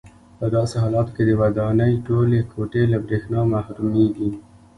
په داسې حالاتو کې د ودانۍ ټولې کوټې له برېښنا محرومېږي.